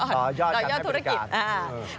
ต่อยอดธุรกิจ